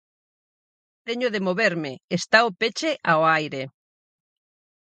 Teño de moverme, está o peche ao aire.